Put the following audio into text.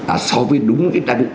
à so với đúng cái đăng ký chưa